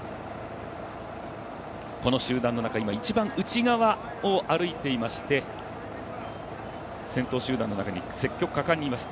この集団の中一番、内側を歩いていまして先頭集団の中に積極果敢にいます。